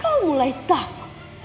kau mulai takut